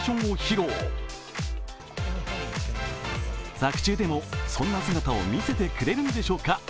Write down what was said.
作中でもそんな姿を見せてくれるんでしょうか？